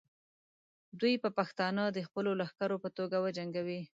دوی به پښتانه د خپلو لښکرو په توګه وجنګوي.